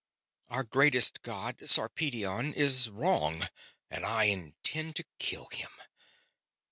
"Our greatest god, Sarpedion, is wrong and I intend to kill him."